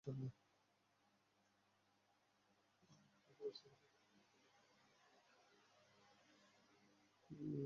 এখানে আর ছাপ নেই।